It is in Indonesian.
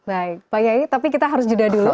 baik pak yai tapi kita harus jeda dulu